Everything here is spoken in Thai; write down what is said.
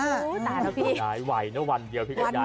อุ๊ยตายแล้วพี่ตายไหวนะวันเดียวพี่กับย้าย